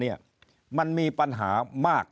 นี่ก็เป็นเรื่องแปลกในอดีตที่ผ่านมาหากิน